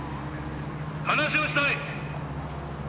話がしたい！